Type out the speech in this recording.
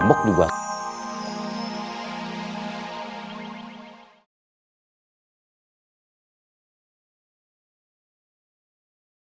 gium juga salah